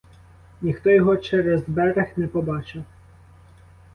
Ніхто його через берег не побачив.